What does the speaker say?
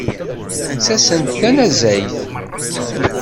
Ttasen-d tanezzayt.